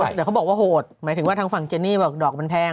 แต่เขาบอกว่าโหดหมายถึงว่าทางฝั่งเจนี่บอกดอกมันแพง